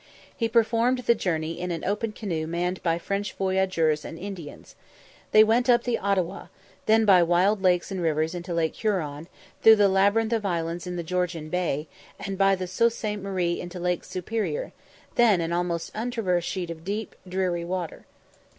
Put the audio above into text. He performed the journey in an open canoe managed by French voyageurs and Indians. They went up the Ottawa, then by wild lakes and rivers into Lake Huron, through the labyrinth of islands in the Georgian Bay, and by the Sault Sainte Marie into Lake Superior, then an almost untraversed sheet of deep, dreary water.